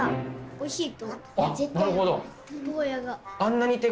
おいしい。